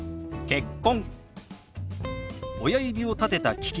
「結婚」。